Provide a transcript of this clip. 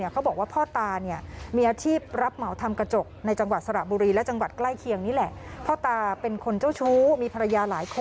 เขาบอกว่าพ่อตาเนี่ย